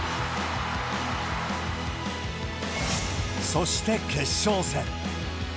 そして、決勝戦。